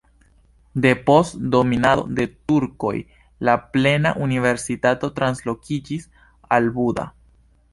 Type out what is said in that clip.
Depost dominado de turkoj la plena universitato translokiĝis al Buda.